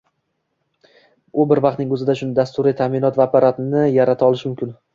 u bir vaqtning oʻzida dasturiy taʼminot va apparat yarata olishi mumkin.